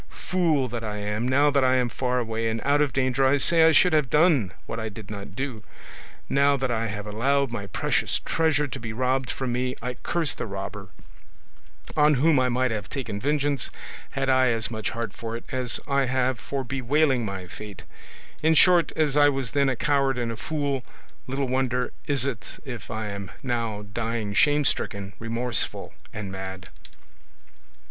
Fool that I am! now that I am far away, and out of danger, I say I should have done what I did not do: now that I have allowed my precious treasure to be robbed from me, I curse the robber, on whom I might have taken vengeance had I as much heart for it as I have for bewailing my fate; in short, as I was then a coward and a fool, little wonder is it if I am now dying shame stricken, remorseful, and mad.